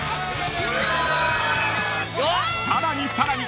［さらにさらに！］